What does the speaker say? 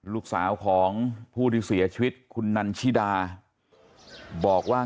ลูกสาวของผู้ที่เสียชีวิตคุณนันชิดาบอกว่า